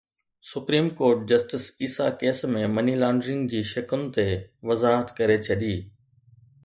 supreme court justice Isa case ۾ money laundering جي شقن تي وضاحت ڪري ڇڏي